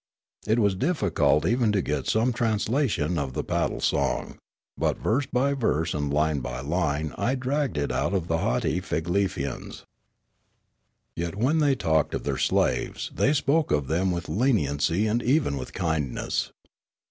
It was difficult even to get some translation of the paddle song ; but verse by verse and line by line I dragged it out of the haughty Figlefians. Yet when they talked of their slaves, they spoke of them with leniency and even with kindness.